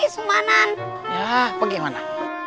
sumanan ya bagaimana